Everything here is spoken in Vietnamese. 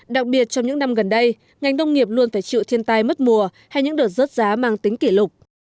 đặc biệt trong những năm gần đây ngành nông nghiệp luôn phải chịu thiên tai mất mùa hay những đợt rớt giá mang tính kỷ lục